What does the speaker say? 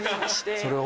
それを。